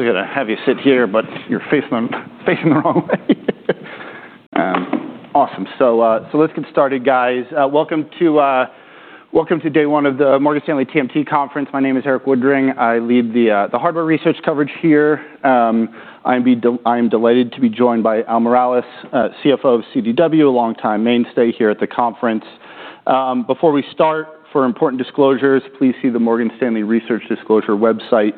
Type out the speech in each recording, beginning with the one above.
We're gonna have you sit here, but you're facing the wrong way. Awesome. Let's get started, guys. Welcome to day one of the Morgan Stanley TMT conference. My name is Erik Woodring. I lead the hardware research coverage here. I am delighted to be joined by Al Miralles, CFO of CDW, a longtime mainstay here at the conference. Before we start, for important disclosures, please see the Morgan Stanley Research Disclosure website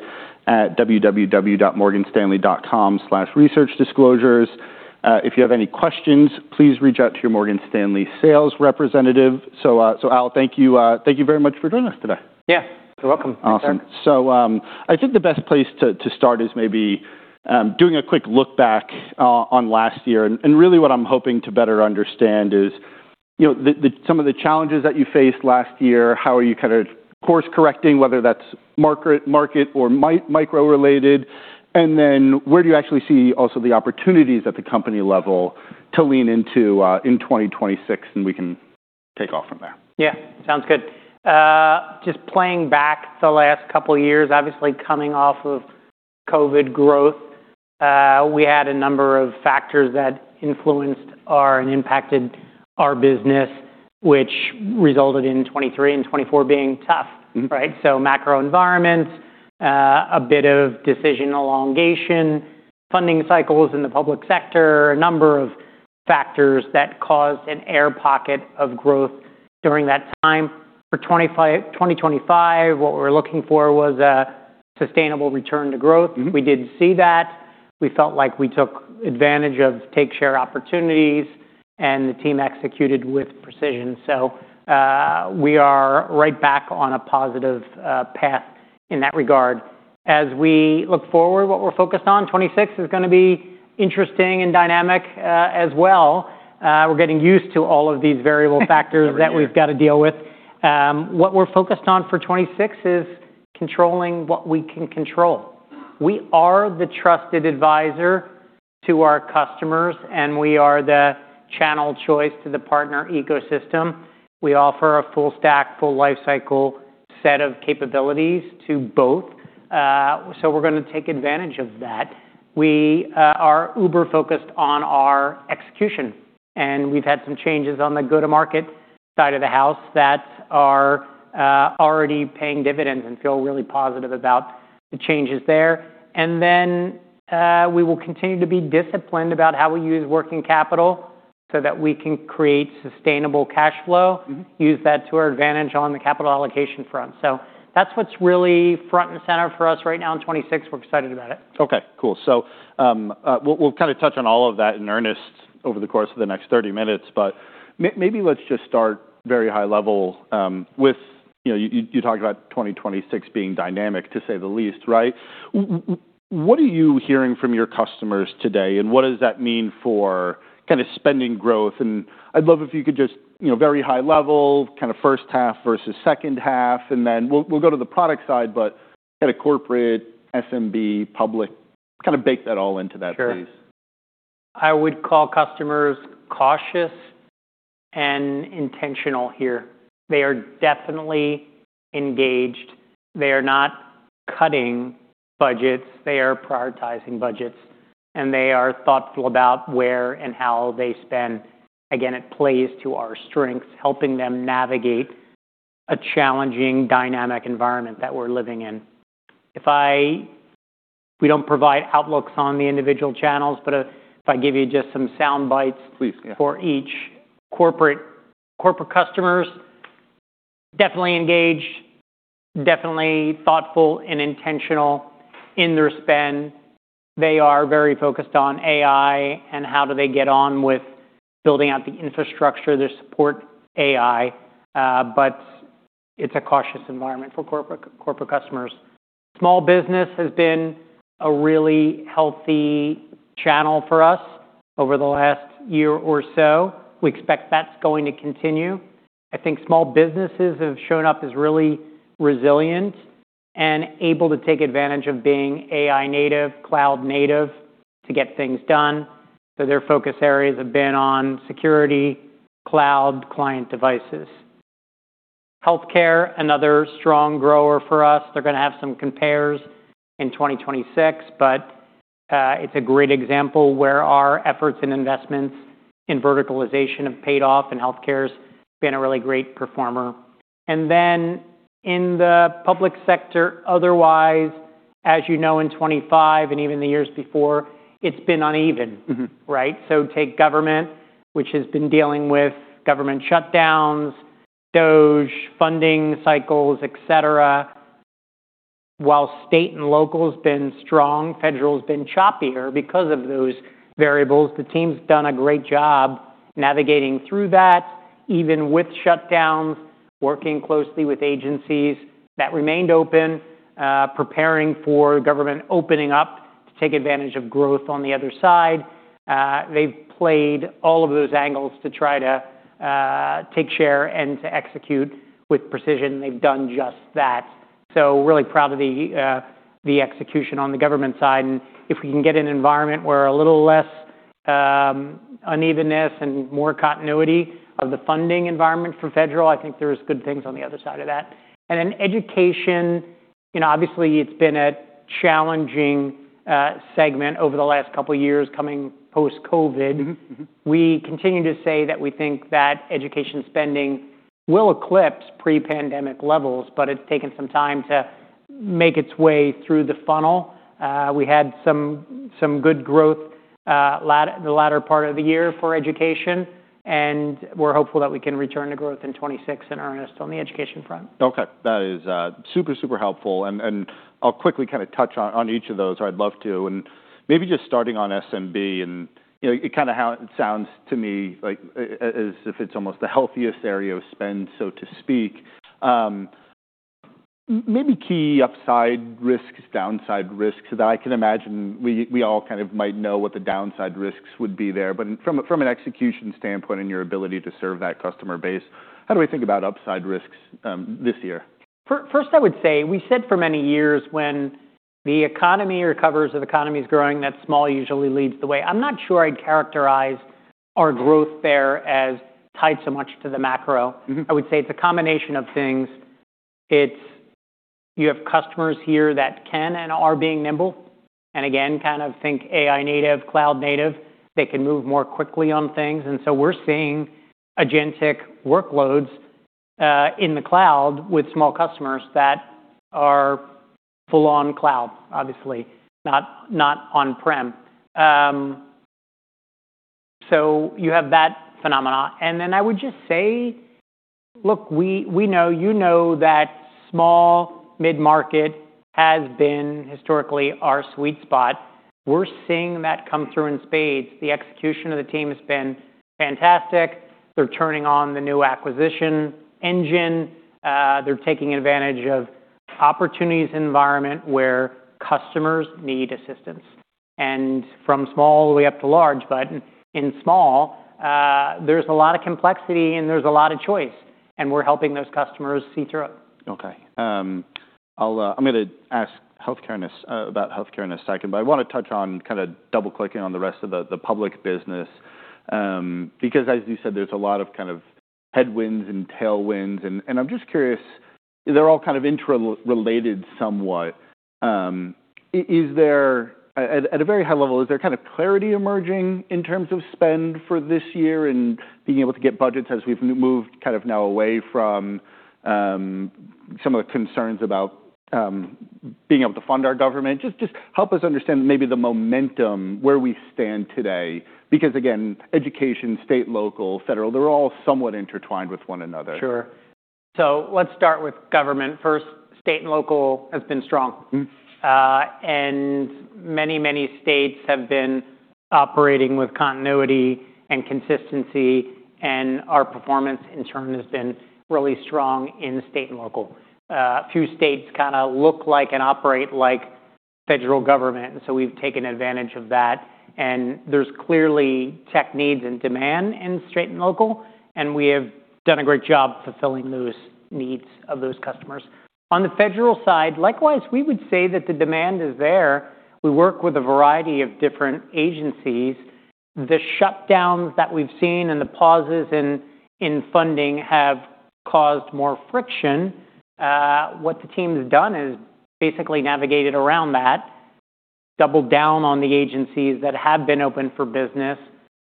at www.morganstanley.com/researchdisclosures. If you have any questions, please reach out to your Morgan Stanley sales representative. Al, thank you very much for joining us today. Yeah. You're welcome. Awesome. I think the best place to start is maybe doing a quick look back on last year. And really what I'm hoping to better understand is, you know, the, some of the challenges that you faced last year, how are you kind of course correcting, whether that's market or micro related, and then where do you actually see also the opportunities at the company level to lean into, in 2026, and we can take off from there? Yeah. Sounds good. Just playing back the last couple of years, obviously coming off of COVID growth, we had a number of factors that influenced our and impacted our business, which resulted in 2023 and 2024 being tough, right? Macro environments, a bit of decision elongation, funding cycles in the public sector, a number of factors that caused an air pocket of growth during that time. For 2025, what we're looking for was a sustainable return to growth. We did see that. We felt like we took advantage of take share opportunities. The team executed with precision. We are right back on a positive path in that regard. As we look forward, what we're focused on, 26 is gonna be interesting and dynamic as well. We're getting used to all of these variable factors. Every year. -That we've got to deal with. What we're focused on for 26 is controlling what we can control. We are the trusted advisor to our customers, and we are the channel choice to the partner ecosystem. We offer a full stack, full life cycle set of capabilities to both. We're gonna take advantage of that. We are uber focused on our execution, we've had some changes on the go-to-market side of the house that are already paying dividends and feel really positive about the changes there. We will continue to be disciplined about how we use working capital so that we can create sustainable cash flow. Use that to our advantage on the capital allocation front. That's what's really front and center for us right now in 2026. We're excited about it. We'll kinda touch on all of that in earnest over the course of the next 30 minutes. Maybe let's just start very high level, with, you know, you talked about 2026 being dynamic, to say the least, right? What are you hearing from your customers today, and what does that mean for kinda spending growth? I'd love if you could just, you know, very high level, kinda first half versus second half, then we'll go to the product side, but kinda corporate, SMB, public, kinda bake that all into that, please? Sure. I would call customers cautious and intentional here. They are definitely engaged. They are not cutting budgets. They are prioritizing budgets, and they are thoughtful about where and how they spend. Again, it plays to our strengths, helping them navigate a challenging dynamic environment that we're living in. We don't provide outlooks on the individual channels, but if I give you just some sound bites. Please, yeah. For each corporate customers, definitely engaged, definitely thoughtful and intentional in their spend. They are very focused on AI and how do they get on with building out the infrastructure to support AI, it's a cautious environment for corporate customers. Small business has been a really healthy channel for us over the last year or so. We expect that's going to continue. I think small businesses have shown up as really resilient and able to take advantage of being AI native, cloud native to get things done. Their focus areas have been on security, cloud, client devices. Healthcare, another strong grower for us. They're gonna have some compares in 2026, it's a great example where our efforts and investments in verticalization have paid off, healthcare's been a really great performer. In the public sector, otherwise, as you know, in 2025 and even the years before, it's been uneven. Right? Take government, which has been dealing with government shutdowns, DOGE, funding cycles, et cetera. While state and local's been strong, federal's been choppier because of those variables. The team's done a great job navigating through that, even with shutdowns, working closely with agencies that remained open, preparing for government opening up to take advantage of growth on the other side. They've played all of those angles to try to take share and to execute with precision. They've done just that. Really proud of the execution on the government side. If we can get an environment where a little less unevenness and more continuity of the funding environment for federal. I think there's good things on the other side of that. Education, you know, obviously it's been a challenging segment over the last couple years coming post-COVID. We continue to say that we think that education spending will eclipse pre-pandemic levels. It's taken some time to make its way through the funnel. We had some good growth the latter part of the year for education. We're hopeful that we can return to growth in 26 in earnest on the education front. Okay. That is super helpful, and I'll quickly kinda touch on each of those. I'd love to. Maybe just starting on SMB, and, you know, it sounds to me like as if it's almost the healthiest area of spend, so to speak. Maybe key upside risks, downside risks that I can imagine we all kind of might know what the downside risks would be there. From a, from an execution standpoint and your ability to serve that customer base, how do we think about upside risks this year? First I would say, we said for many years when the economy recovers, if the economy is growing, that small usually leads the way. I'm not sure I'd characterize our growth there as tied so much to the macro. I would say it's a combination of things. You have customers here that can and are being nimble, again, kind of think AI native, cloud native. They can move more quickly on things. We're seeing agentic workloads in the cloud with small customers that are full on cloud, obviously, not on-prem. You have that phenomena. I would just say, look, we know, you know that small mid-market has been historically our sweet spot. We're seeing that come through in spades. The execution of the team has been fantastic. They're turning on the new acquisition engine. They're taking advantage of opportunities environment where customers need assistance, from small all the way up to large. In small, there's a lot of complexity and there's a lot of choice, we're helping those customers see through. Okay. I'll I'm gonna ask healthcare about healthcare in a second, but I wanna touch on kinda double-clicking on the rest of the public business, because as you said, there's a lot of kind of headwinds and tailwinds, and I'm just curious, they're all kind of interre-related somewhat. Is there... At a very high level, is there kind of clarity emerging in terms of spend for this year and being able to get budgets as we've moved kind of now away from some of the concerns about being able to fund our government? Just help us understand maybe the momentum where we stand today, because again, education, state, local, federal, they're all somewhat intertwined with one another. Sure. Let's start with government first. State and local has been strong. Many, many states have been operating with continuity and consistency, and our performance in turn has been really strong in state and local. A few states kinda look like and operate like federal government, and so we've taken advantage of that. There's clearly tech needs and demand in state and local, and we have done a great job fulfilling those needs of those customers. On the federal side, likewise, we would say that the demand is there. We work with a variety of different agencies. The shutdowns that we've seen and the pauses in funding have caused more friction. What the team's done is basically navigated around that, doubled down on the agencies that have been open for business,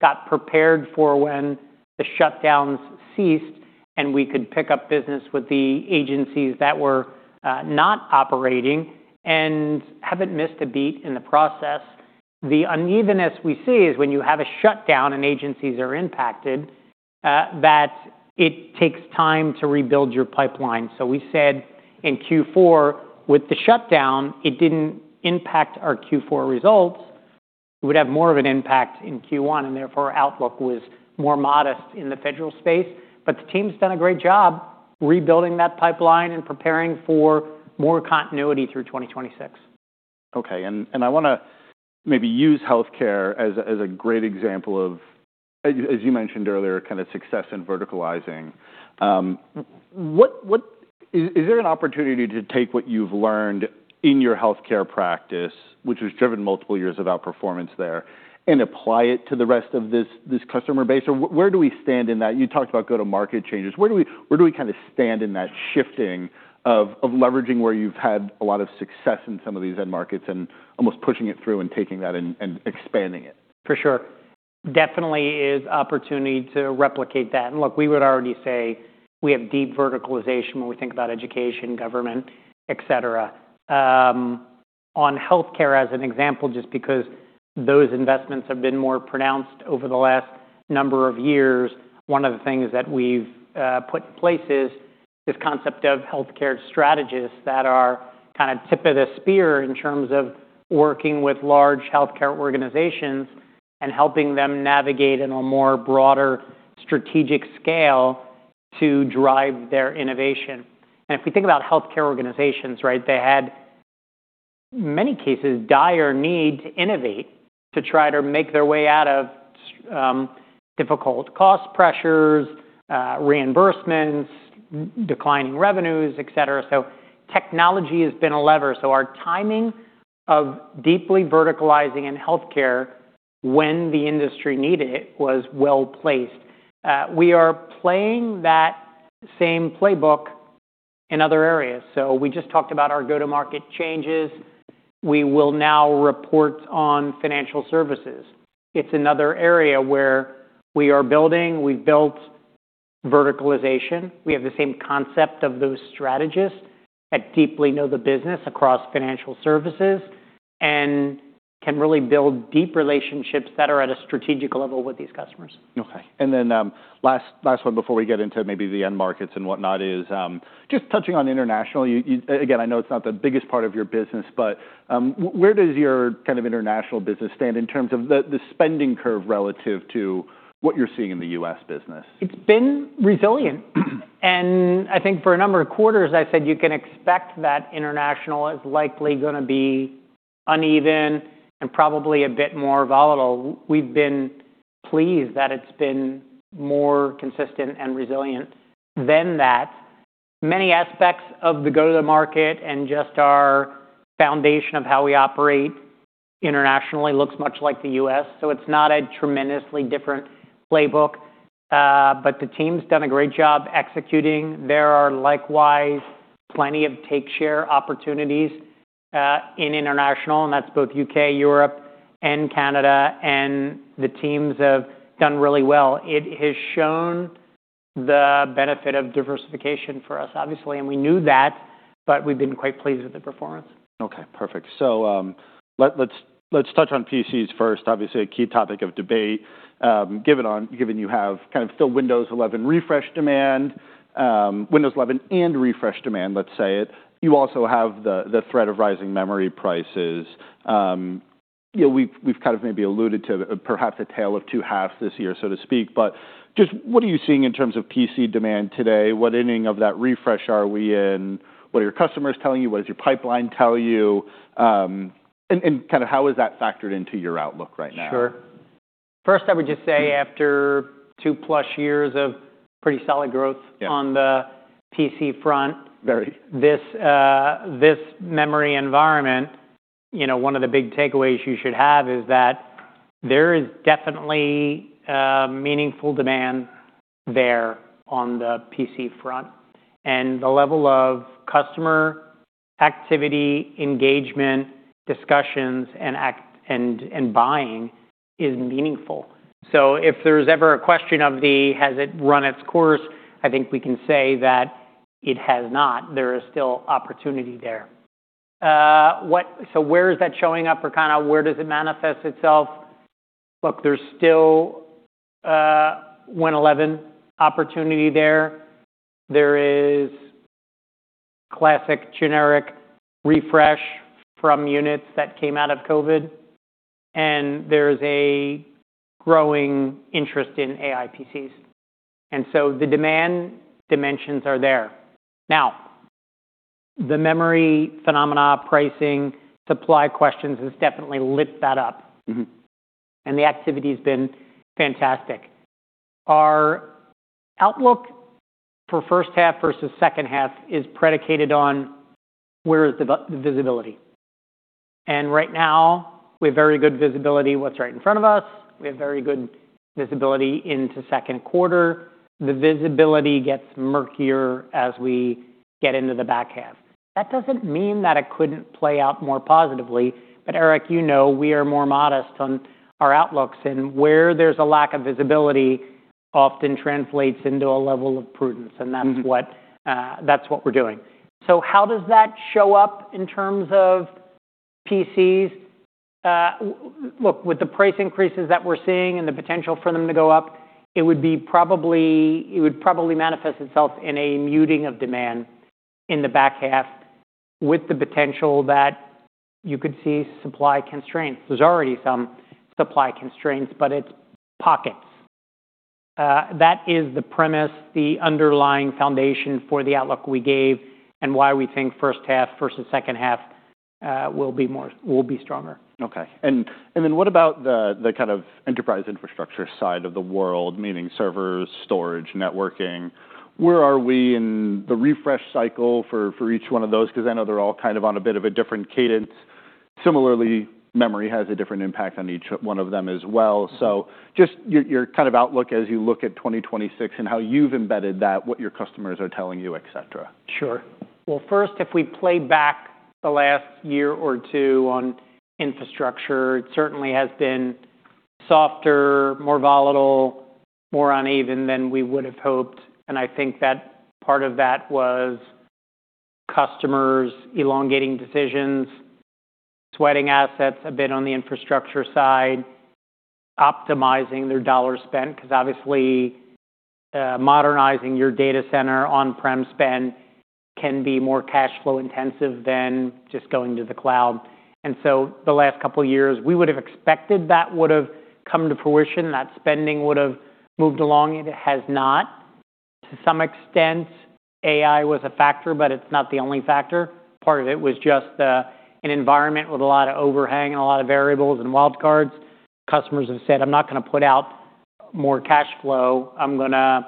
got prepared for when the shutdowns ceased, and we could pick up business with the agencies that were not operating and haven't missed a beat in the process. The unevenness we see is when you have a shutdown and agencies are impacted, that it takes time to rebuild your pipeline. We said in Q4, with the shutdown, it didn't impact our Q4 results. It would have more of an impact in Q1, and therefore our outlook was more modest in the federal space. The team's done a great job rebuilding that pipeline and preparing for more continuity through 2026. Okay. I wanna maybe use healthcare as a great example of, as you mentioned earlier, kinda success in verticalizing. Is there an opportunity to take what you've learned in your healthcare practice, which has driven multiple years of outperformance there, and apply it to the rest of this customer base? Or where do we stand in that? You talked about go-to-market changes. Where do we kinda stand in that shifting of leveraging where you've had a lot of success in some of these end markets and almost pushing it through and taking that and expanding it? For sure. Definitely is opportunity to replicate that. Look, we would already say we have deep verticalization when we think about education, government, et cetera. On healthcare as an example, just because those investments have been more pronounced over the last number of years, one of the things that we've put in place is this concept of healthcare strategists that are kind of tip of the spear in terms of working with large healthcare organizations and helping them navigate in a more broader strategic scale to drive their innovation. If you think about healthcare organizations, right, they had many cases dire need to innovate to try to make their way out of difficult cost pressures, reimbursements, declining revenues, et cetera. Technology has been a lever. Our timing of deeply verticalizing in healthcare when the industry needed it was well-placed. We are playing that same playbook in other areas. We just talked about our go-to-market changes. We will now report on financial services. It's another area where we are building. We've built verticalization. We have the same concept of those strategists that deeply know the business across financial services and can really build deep relationships that are at a strategic level with these customers. Okay. last one before we get into maybe the end markets and whatnot is, just touching on international. Again, I know it's not the biggest part of your business, but, where does your kind of international business stand in terms of the spending curve relative to what you're seeing in the U.S. business? It's been resilient. I think for a number of quarters, I said you can expect that international is likely gonna be uneven and probably a bit more volatile. We've been pleased that it's been more consistent and resilient than that. Many aspects of the go-to-market and just our foundation of how we operate internationally looks much like the U.S. It's not a tremendously different playbook. The team's done a great job executing. There are likewise plenty of take share opportunities in international, and that's both U.K., Europe, and Canada, and the teams have done really well. It has shown the benefit of diversification for us, obviously, and we knew that, but we've been quite pleased with the performance. Okay, perfect. Let's touch on PCs first. Obviously, a key topic of debate, given you have kind of still Windows 11 refresh demand, Windows 11 and refresh demand, let's say. You also have the threat of rising memory prices. You know, we've kind of maybe alluded to perhaps a tale of two halves this year, so to speak. Just what are you seeing in terms of PC demand today? What inning of that refresh are we in? What are your customers telling you? What does your pipeline tell you? Kind of how is that factored into your outlook right now? Sure. First, I would just say after two-plus years of pretty solid growth. Yeah. On the PC front. Very. This memory environment, you know, one of the big takeaways you should have is that there is definitely meaningful demand there on the PC front, and the level of customer activity, engagement, discussions, and buying is meaningful. If there's ever a question of the, has it run its course, I think we can say that it has not. There is still opportunity there. Where is that showing up or kinda where does it manifest itself? Look, there's still one eleven opportunity there. There is classic generic refresh from units that came out of COVID, and there's a growing interest in AI PCs. The demand dimensions are there. The memory phenomena, pricing, supply questions has definitely lit that up. The activity's been fantastic. Our outlook for first half versus second half is predicated on where is the visibility. Right now, we have very good visibility what's right in front of us. We have very good visibility into second quarter. The visibility gets murkier as we get into the back half. That doesn't mean that it couldn't play out more positively. Erik, you know we are more modest on our outlooks, and where there's a lack of visibility often translates into a level of prudence, and that's what, that's what we're doing. How does that show up in terms of PCs? Look, with the price increases that we're seeing and the potential for them to go up, it would probably manifest itself in a muting of demand in the back half with the potential that you could see supply constraints. There's already some supply constraints. It's pockets. That is the premise, the underlying foundation for the outlook we gave and why we think first half versus second half, will be stronger Okay. Then what about the kind of enterprise infrastructure side of the world, meaning servers, storage, networking? Where are we in the refresh cycle for each one of those? 'Cause I know they're all kind of on a bit of a different cadence. Similarly, memory has a different impact on each one of them as well. Just your kind of outlook as you look at 2026 and how you've embedded that, what your customers are telling you, et cetera? Sure. Well, first, if we play back the last year or two on infrastructure, it certainly has been softer, more volatile, more uneven than we would have hoped. I think that part of that was customers elongating decisions, sweating assets a bit on the infrastructure side, optimizing their dollar spend, 'cause obviously, modernizing your data center on-prem spend can be more cash flow intensive than just going to the cloud. The last couple years, we would have expected that would have come to fruition, that spending would have moved along, it has not. To some extent, AI was a factor, but it's not the only factor. Part of it was just, an environment with a lot of overhang and a lot of variables and wild cards. Customers have said, "I'm not gonna put out more cash flow. I'm going to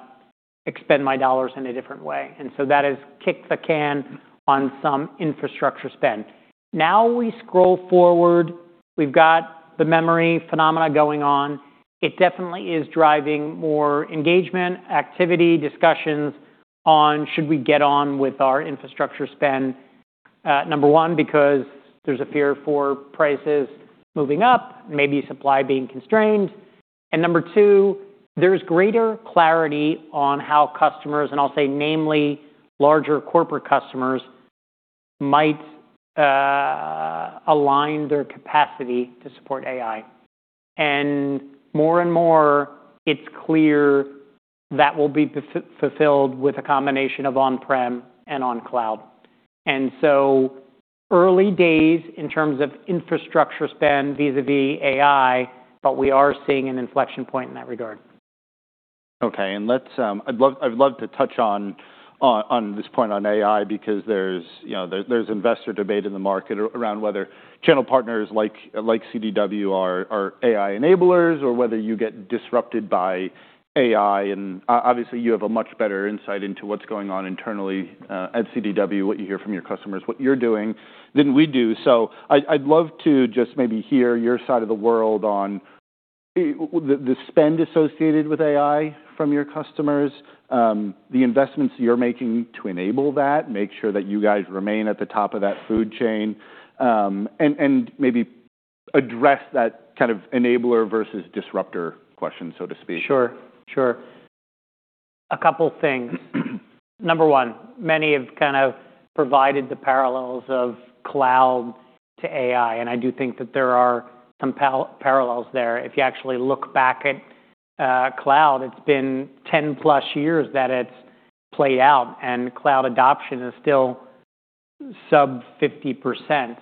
expend my dollars in a different way. That has kicked the can on some infrastructure spend. Now we scroll forward, we've got the memory phenomena going on. It definitely is driving more engagement, activity, discussions on should we get on with our infrastructure spend, number one, because there's a fear for prices moving up, maybe supply being constrained. Number two, there's greater clarity on how customers, and I'll say namely larger corporate customers, might align their capacity to support AI. More and more, it's clear that will be fulfilled with a combination of on-prem and on cloud. Early days in terms of infrastructure spend vis-à-vis AI, but we are seeing an inflection point in that regard. Let's, I'd love to touch on this point on AI because there's, you know, there's investor debate in the market around whether channel partners like CDW are AI enablers or whether you get disrupted by AI. Obviously, you have a much better insight into what's going on internally at CDW, what you hear from your customers, what you're doing than we do. I'd love to just maybe hear your side of the world on the spend associated with AI from your customers, the investments you're making to enable that, make sure that you guys remain at the top of that food chain, and maybe address that kind of enabler versus disruptor question, so to speak. Sure. Sure. A couple things. Number one, many have kind of provided the parallels of cloud to AI. I do think that there are some parallels there. If you actually look back at cloud, it's been 10+ years that it's played out, and cloud adoption is still sub 50%.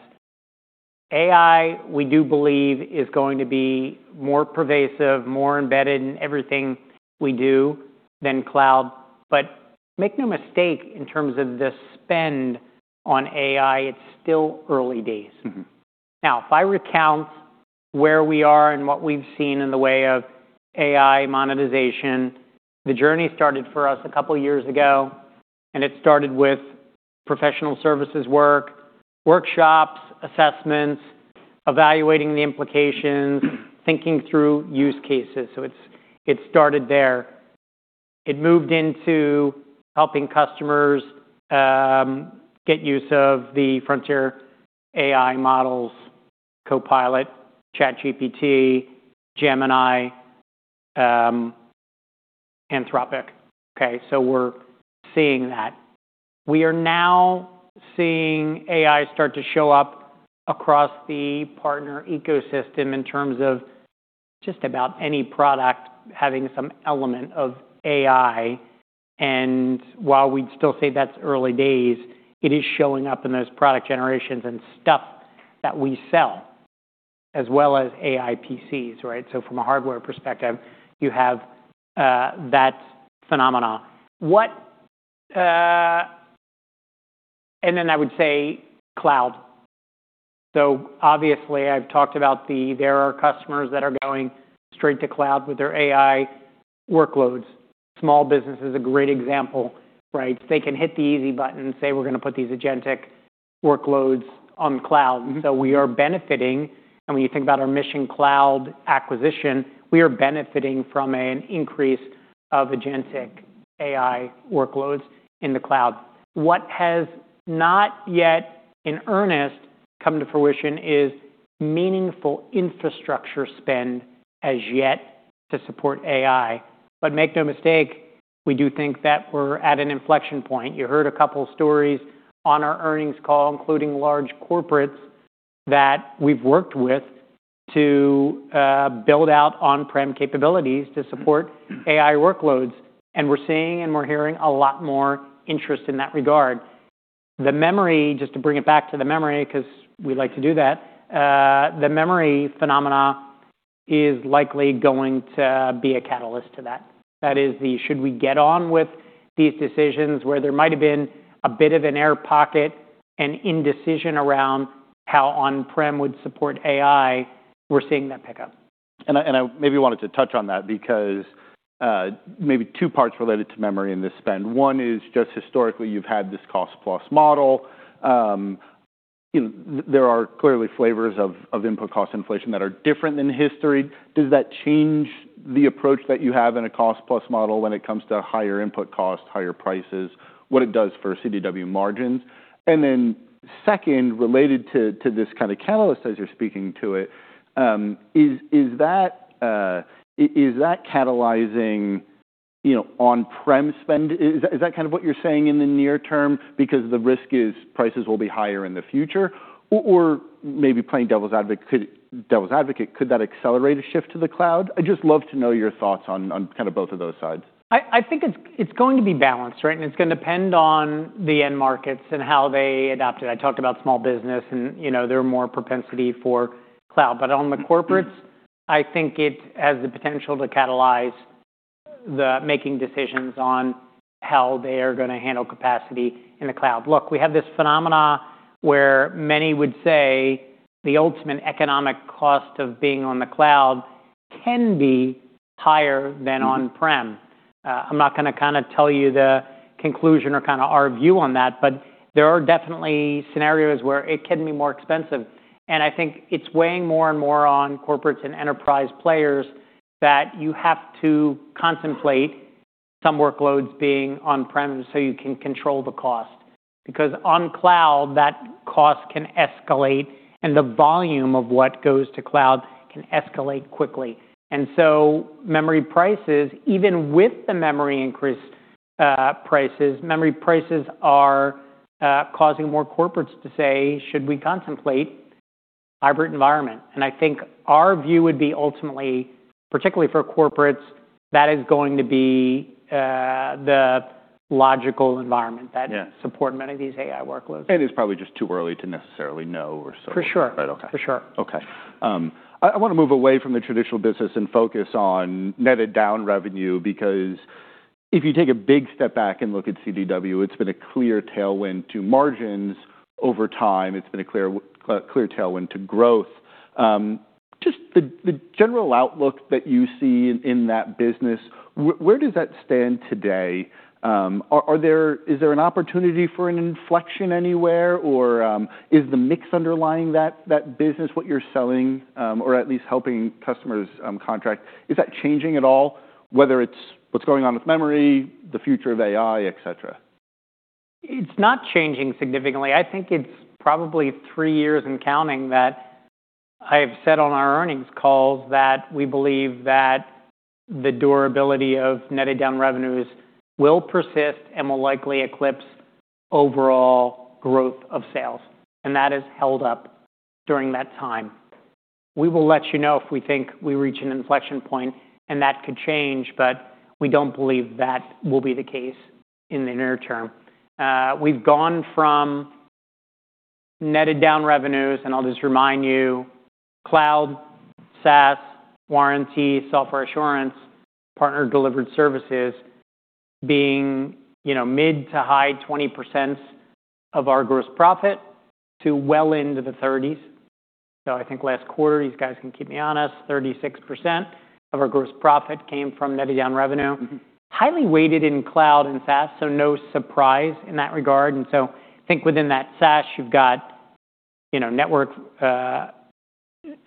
AI, we do believe, is going to be more pervasive, more embedded in everything we do than cloud. Make no mistake, in terms of the spend on AI, it's still early days. If I recount where we are and what we've seen in the way of AI monetization, the journey started for us a couple years ago, and it started with professional services work, workshops, assessments, evaluating the implications, thinking through use cases. It started there. It moved into helping customers get use of the frontier AI models, Copilot, ChatGPT, Gemini, Anthropic. We're seeing that. We are now seeing AI start to show up across the partner ecosystem in terms of just about any product having some element of AI. While we'd still say that's early days, it is showing up in those product generations and stuff that we sell, as well as AI PCs, right? From a hardware perspective, you have that phenomena. What... Then I would say cloud. Obviously, I've talked about there are customers that are going straight to cloud with their AI workloads. Small business is a great example, right? They can hit the easy button and say, "We're gonna put these agentic workloads on cloud. We are benefiting, and when you think about our Mission Cloud acquisition, we are benefiting from an increase of agentic AI workloads in the cloud. What has not yet in earnest come to fruition is meaningful infrastructure spend as yet to support AI. Make no mistake, we do think that we're at an inflection point. You heard a couple stories on our earnings call, including large corporates that we've worked with to build out on-prem capabilities to support AI workloads. We're seeing and we're hearing a lot more interest in that regard. The memory, just to bring it back to the memory 'cause we like to do that, the memory phenomena is likely going to be a catalyst to that. That is the should we get on with these decisions where there might have been a bit of an air pocket and indecision around how on-prem would support AI, we're seeing that pick up. I, and I maybe wanted to touch on that because maybe two parts related to memory in this spend. One is just historically you've had this cost plus model. you know, there are clearly flavors of input cost inflation that are different than history. Does that change the approach that you have in a cost plus model when it comes to higher input costs, higher prices, what it does for CDW margins? Then second, related to this kinda catalyst as you're speaking to it, is that catalyzing, you know, on-prem spend? Is that kind of what you're saying in the near term because the risk is prices will be higher in the future? Or maybe playing devil's advocate, could that accelerate a shift to the cloud? I'd just love to know your thoughts on kind of both of those sides. I think it's going to be balanced, right? It's gonna depend on the end markets and how they adopt it. I talked about small business and, you know, their more propensity for cloud. On the corporates, I think it has the potential to catalyze the making decisions on how they are gonna handle capacity in the cloud. Look, we have this phenomenon where many would say the ultimate economic cost of being on the cloud can be higher than on-prem. I'm not gonna tell you the conclusion or our view on that, but there are definitely scenarios where it can be more expensive. I think it's weighing more and more on corporates and enterprise players that you have to contemplate some workloads being on-premise so you can control the cost. On cloud, that cost can escalate, and the volume of what goes to cloud can escalate quickly. Memory prices, even with the memory increase, prices, memory prices are causing more corporates to say, "Should we contemplate hybrid environment?" I think our view would be ultimately, particularly for corporates, that is going to be the logical environment. Yeah. Support many of these AI workloads. It's probably just too early to necessarily know or so. For sure. Right. Okay. For sure. Okay. I wanna move away from the traditional business and focus on netted down revenue because if you take a big step back and look at CDW, it's been a clear tailwind to margins over time. It's been a clear tailwind to growth. Just the general outlook that you see in that business, where does that stand today? Are there is there an opportunity for an inflection anywhere or is the mix underlying that business what you're selling or at least helping customers contract? Is that changing at all, whether it's what's going on with memory, the future of AI, et cetera? It's not changing significantly. I think it's probably three years and counting that I've said on our earnings calls that we believe that the durability of netted down revenues will persist and will likely eclipse overall growth of sales, and that has held up during that time. We will let you know if we think we reach an inflection point, that could change, but we don't believe that will be the case in the near term. We've gone from netted down revenues, and I'll just remind you, cloud, SaaS, warranty, Software Assurance, partner-delivered services being, you know, mid to high 20% of our gross profit to well into the thirties. I think last quarter, these guys can keep me honest, 36% of our gross profit came from netted down revenue. Highly weighted in cloud and SaaS, so no surprise in that regard. I think within that SaaS, you've got, you know, network,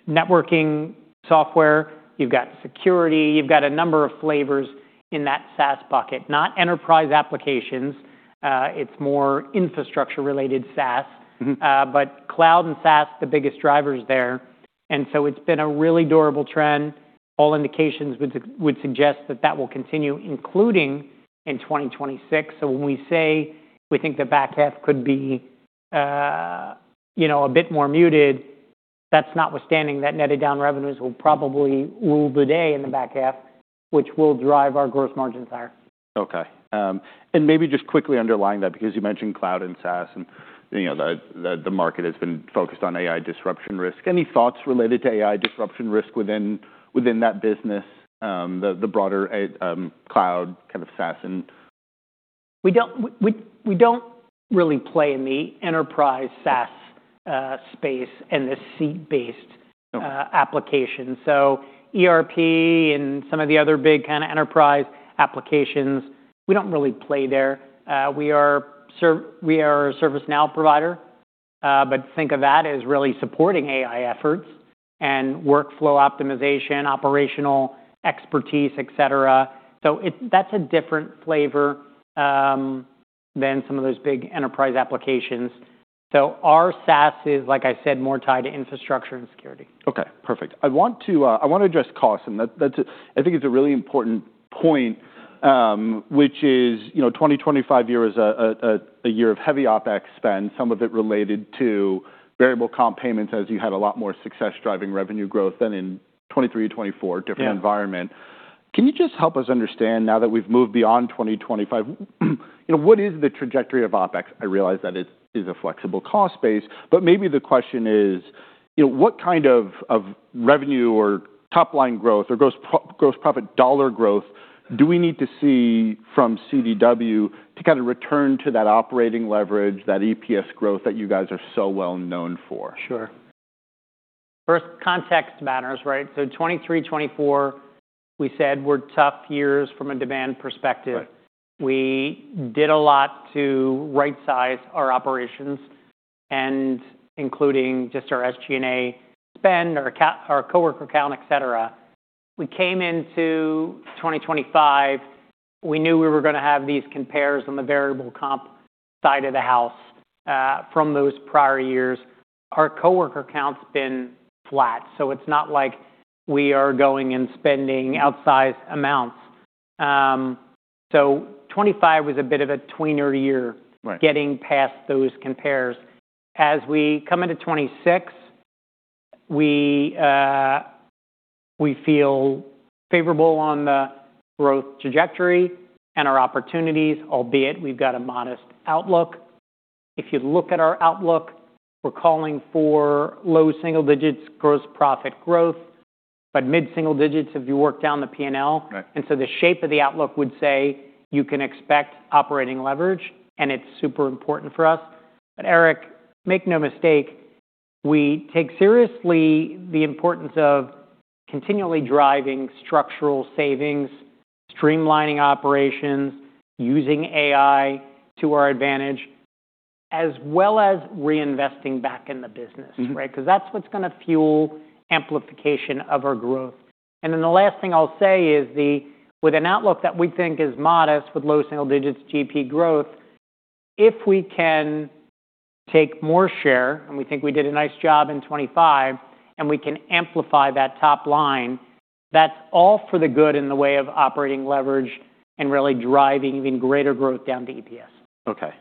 networking software, you've got security, you've got a number of flavors in that SaaS bucket. Not enterprise applications, it's more infrastructure-related SaaS. Cloud and SaaS, the biggest drivers there. It's been a really durable trend. All indications would suggest that that will continue, including in 2026. When we say we think the back half could be, you know, a bit more muted, that's notwithstanding that netted down revenues will probably rule the day in the back half, which will drive our gross margins higher. Okay. Maybe just quickly underlying that because you mentioned cloud and SaaS, and, you know, the market has been focused on AI disruption risk. Any thoughts related to AI disruption risk within that business, the broader cloud kind of SaaS? We don't really play in the enterprise SaaS space and the No. Application. ERP and some of the other big kinda enterprise applications, we don't really play there. We are a ServiceNow provider, but think of that as really supporting AI efforts and workflow optimization, operational expertise, et cetera. That's a different flavor than some of those big enterprise applications. Our SaaS is, like I said, more tied to infrastructure and security. Okay. Perfect. I wanna address cost, and I think it's a really important point, which is, you know, 2025 year is a year of heavy OpEx spend, some of it related to variable comp payments as you had a lot more success driving revenue growth than in 2023 to 2024. Yeah. -Different environment. Can you just help us understand now that we've moved beyond 2025, you know, what is the trajectory of OpEx? I realize that it is a flexible cost base, but maybe the question is, you know, what kind of revenue or top-line growth or gross profit dollar growth do we need to see from CDW to kinda return to that operating leverage, that EPS growth that you guys are so well known for? Sure. First, context matters, right? 2023, 2024, we said were tough years from a demand perspective. Right. We did a lot to rightsize our operations and including just our SG&A spend, our our coworker count, et cetera. We came into 2025, we knew we were gonna have these compares on the variable comp side of the house, from those prior years. Our coworker count's been flat, so it's not like we are going and spending outsized amounts. 25 was a bit of a tweener year. Right. Getting past those compares. We come into 2026, we feel favorable on the growth trajectory and our opportunities, albeit we've got a modest outlook. If you look at our outlook, we're calling for low single digits gross profit growth, but mid single digits if you work down the P&L. Right. The shape of the outlook would say you can expect operating leverage, and it's super important for us. Erik, make no mistake, we take seriously the importance of continually driving structural savings, streamlining operations, using AI to our advantage, as well as reinvesting back in the business. Right? 'Cause that's what's gonna fuel amplification of our growth. The last thing I'll say is with an outlook that we think is modest with low single digits GP growth, if we can take more share, and we think we did a nice job in 2025, and we can amplify that top line, that's all for the good in the way of operating leverage and really driving even greater growth down to EPS. Okay.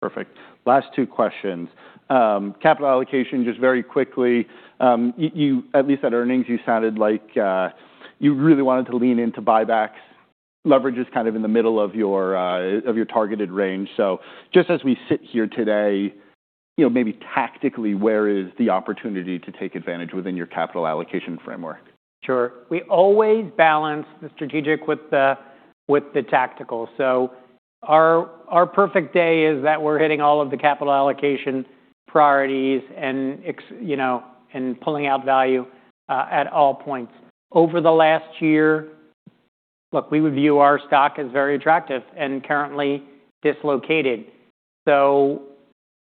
Perfect. Last two questions. Capital allocation, just very quickly. At least at earnings, you sounded like, you really wanted to lean into buybacks. Leverage is kind of in the middle of your, of your targeted range. Just as we sit here today, you know, maybe tactically, where is the opportunity to take advantage within your capital allocation framework? Sure. We always balance the strategic with the tactical. Our perfect day is that we're hitting all of the capital allocation priorities you know, and pulling out value at all points. Over the last year. Look, we review our stock as very attractive and currently dislocated.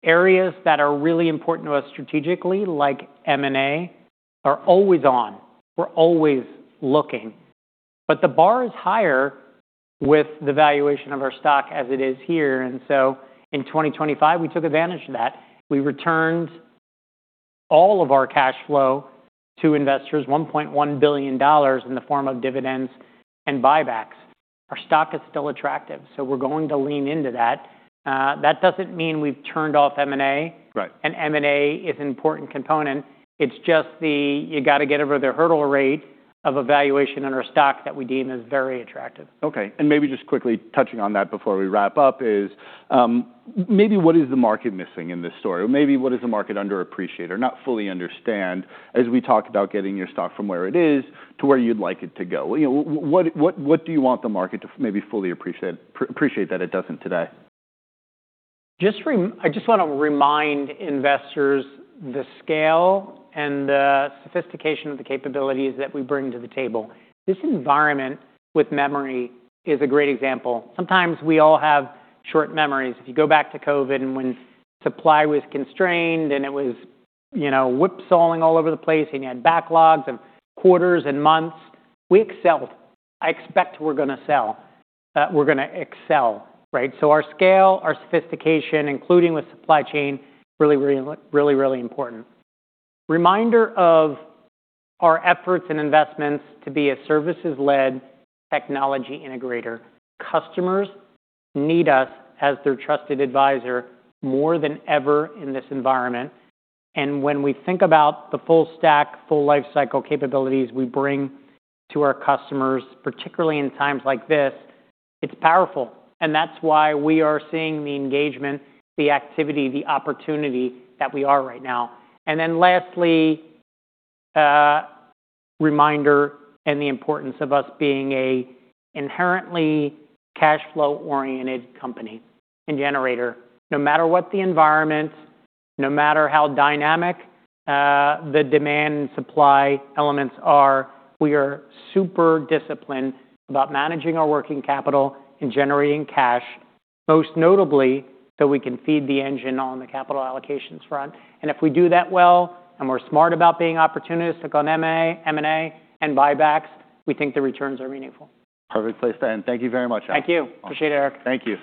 Areas that are really important to us strategically, like M&A, are always on. We're always looking. The bar is higher with the valuation of our stock as it is here. In 2025, we took advantage of that. We returned all of our cash flow to investors, $1.1 billion in the form of dividends and buybacks. Our stock is still attractive, we're going to lean into that. That doesn't mean we've turned off M&A. Right. M&A is an important component. It's just the, you gotta get over the hurdle rate of a valuation on our stock that we deem as very attractive. Okay. Maybe just quickly touching on that before we wrap up is, maybe what is the market missing in this story? Maybe what does the market underappreciate or not fully understand as we talk about getting your stock from where it is to where you'd like it to go? You know, what, what do you want the market to maybe fully appreciate that it doesn't today? I just wanna remind investors the scale and the sophistication of the capabilities that we bring to the table. This environment with memory is a great example. Sometimes we all have short memories. If you go back to COVID and when supply was constrained, and it was, you know, whip sawing all over the place, and you had backlogs of quarters and months, we excelled. I expect we're gonna excel, right? Our scale, our sophistication, including with supply chain, really, really, really, really important. Reminder of our efforts and investments to be a services-led technology integrator. Customers need us as their trusted advisor more than ever in this environment. When we think about the full stack, full life cycle capabilities we bring to our customers, particularly in times like this, it's powerful. That's why we are seeing the engagement, the activity, the opportunity that we are right now. Lastly, reminder in the importance of us being a inherently cash flow-oriented company and generator. No matter what the environment, no matter how dynamic, the demand and supply elements are, we are super disciplined about managing our working capital and generating cash, most notably, so we can feed the engine on the capital allocations front. If we do that well, and we're smart about being opportunistic on M&A and buybacks, we think the returns are meaningful. Perfect place to end. Thank you very much. Thank you. Appreciate it, Erik. Thank you.